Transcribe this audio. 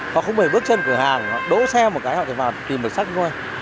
họ không phải bước trên cửa hàng họ đỗ xe một cái họ chỉ vào tìm được sách thôi